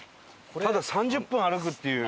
ただ３０分歩くっていう。